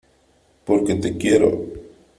porque te quiero .